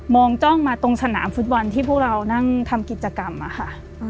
จ้องมาตรงสนามฟุตบอลที่พวกเรานั่งทำกิจกรรมอะค่ะ